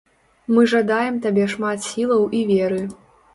Мы жадаем табе шмат сілаў і веры!